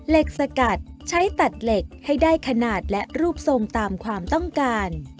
สกัดใช้ตัดเหล็กให้ได้ขนาดและรูปทรงตามความต้องการ